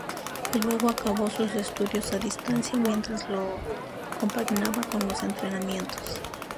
Y luego acabó sus estudios a distancia mientras lo compaginaba con los entrenamientos.